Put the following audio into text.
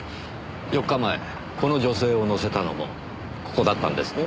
４日前この女性を乗せたのもここだったんですね？